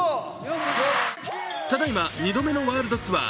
ただいま２度目のワールドツアー